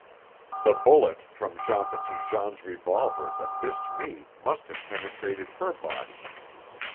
The bullet from Jean Petitjean's revolver that missed me must have penetrated her body.